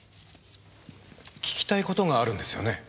聞きたいことがあるんですよね？